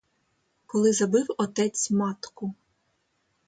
Коли забив отець матку.